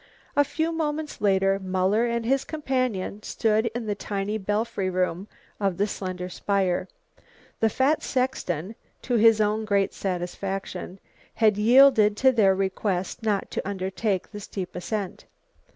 A few moments later Muller and his companion stood in the tiny belfry room of the slender spire. The fat sexton, to his own great satisfaction, had yielded to their request not to undertake the steep ascent.